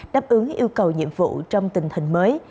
đáp ứng yêu cầu nhiệm vụ trong tình hình mới